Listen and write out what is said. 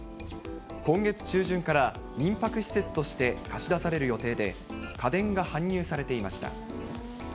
今月中旬から民泊施設として貸し出される予定で、家電が搬入されていました。